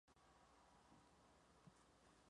Basada en la novela homónima de Irwin Shaw.